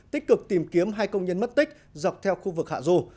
tích cực tìm kiếm hai công nhân mất tích dọc theo khu vực hạ du